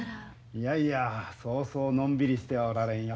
いやいやそうそうのんびりしてはおられんよ。